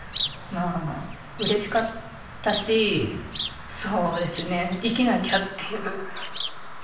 うれしかったしそうですね生きなきゃっていう。